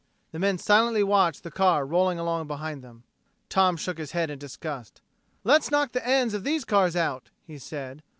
The men silently watched the car rolling along behind them. Tom shook his head in disgust. "Let's knock the ends of these cars out," he said.